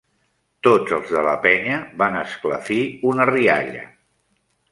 Tots els de la penya van esclafir una rialla.